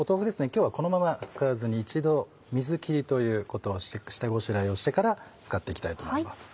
今日はこのまま使わずに一度水切りということをして下ごしらえをしてから使って行きたいと思います。